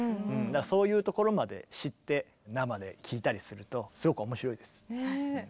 そういうところまで知って生で聴いたりするとすごく面白いです。